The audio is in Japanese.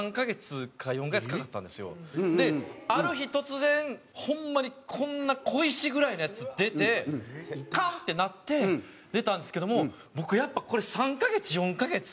である日突然ホンマにこんな小石ぐらいのやつ出てカン！ってなって出たんですけども僕やっぱこれ３カ月４カ月